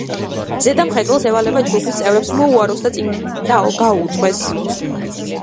ზედამხედველს ევალება ჯგუფის წევრებს მოუაროს და წინ გაუძღვეს.